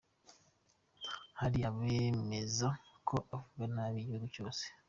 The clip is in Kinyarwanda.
Hari abemeza ko uvuga nabi igihugu cyawe.